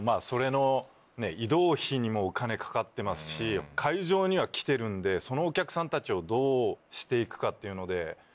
それの移動費にもお金かかってますし会場には来てるんでそのお客さんたちをどうして行くかっていうので。